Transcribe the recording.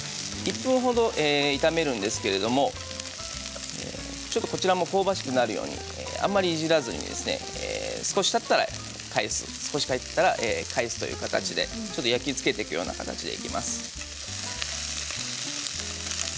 １分ほど炒めるんですけれどもこちらも香ばしくなるようにあんまりいじらずに少したったら返す少したったら返すという形でちょっと焼き付けていくような形でいきます。